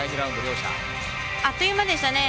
あっという間でしたね。